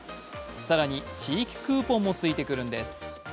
更に、地域クーポンもついてくんです。